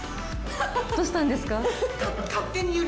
どうしたんですか？